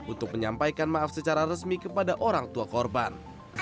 untuk menyampaikan maaf secara resmi kepada orang tua korban